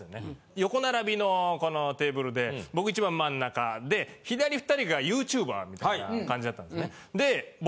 横並びのこのテーブルで僕一番真ん中で左２人がＹｏｕＴｕｂｅｒみたいな感じだったんですね。